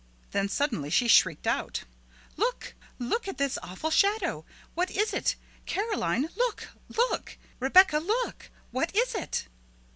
Then suddenly she shrieked out: "Look at this awful shadow! What is it? Caroline, look, look! Rebecca, look! What is it?"